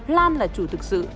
lan là chủ thực sự